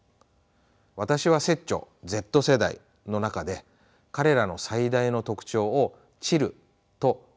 私は拙著「Ｚ世代」の中で彼らの最大の特徴をチルとミーを挙げています。